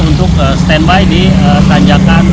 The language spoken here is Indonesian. untuk standby di tanjakan